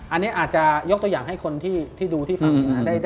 อันนี้อาจจะยกตัวอย่างให้คนที่ดูที่ฟัง